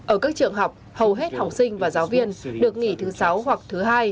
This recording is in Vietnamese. ở các trường học hầu hết học sinh và giáo viên được nghỉ thứ sáu hoặc thứ hai